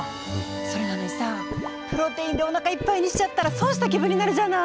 それなのにさあプロテインでおなかいっぱいにしちゃったら損した気分になるじゃない！